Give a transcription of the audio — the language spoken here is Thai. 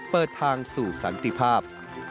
เปิดทางสู่สันติภาพ